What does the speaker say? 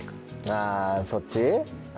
あそっち？